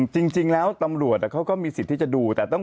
จริงแล้วตำรวจเขาก็มีสิทธิ์ที่จะดูแต่ต้อง